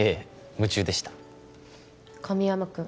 夢中でした神山くん